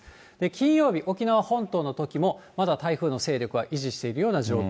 金曜日、沖縄本島のときも、まだ台風の勢力は維持しているような状況。